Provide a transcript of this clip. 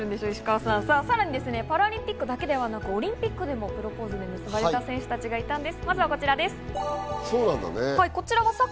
ハードル上がりまくりですよ、さらにパラリンピックだけではなくオリンピックでもプロポーズで結ばれた選手たちがいたんです。